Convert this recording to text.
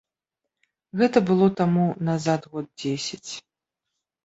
Гэта было таму назад год дзесяць.